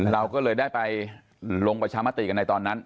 เราก็เลยได้ไปลงประชามติกันในตอนนั้น